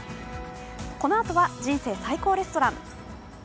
このあとは「人生最高レストラン」。